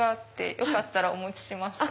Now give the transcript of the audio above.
よかったらお持ちしますか？